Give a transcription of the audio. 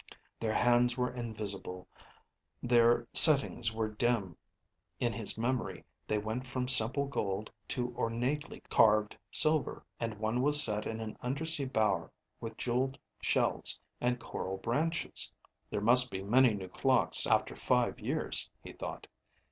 Their hands were invisible, their settings were dim. (In his memory they went from simple gold to ornately carved silver, and one was set in an undersea bower with jeweled shells and coral branches.) There must be many new clocks after five years, he thought.